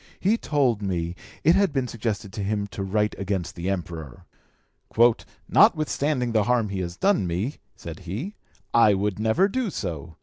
He told me it had been suggested to him to write against the Emperor. 'Notwithstanding the harm he has done me,' said he, 'I would never do so.